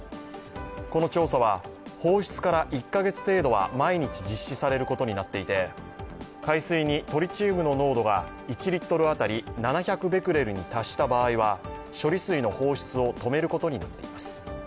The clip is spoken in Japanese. この調査は、放出から１か月程度は毎日実施されることになっていて海水にトリチウムの濃度が１リットル当たり７００ベクレルに達した場合は処理水の放出を止めることになっています。